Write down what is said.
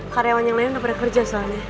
karyawan yang lain udah pada kerja soalnya